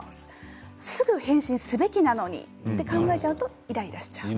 すぐ返信すべきなのにと考えちゃうとイライラしちゃう。